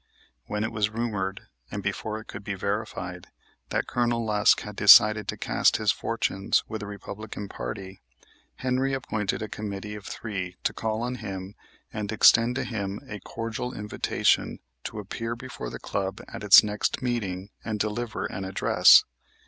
When it was rumored, and before it could be verified, that Colonel Lusk had decided to cast his fortunes with the Republican party Henry appointed a committee of three to call on him and extend to him a cordial invitation to appear before the club at its next meeting and deliver an address.